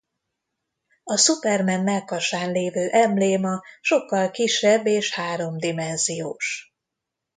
A Superman mellkasán lévő embléma sokkal kisebb és háromdimenziós.